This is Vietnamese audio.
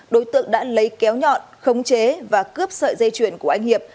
đối tượng đã lấy kéo nhọn khống chế và cướp sợi dây chuyền của anh hiệp